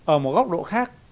ở một góc độ khác